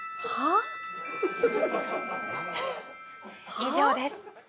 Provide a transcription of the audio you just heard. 以上です。